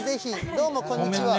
どうも、こんにちは。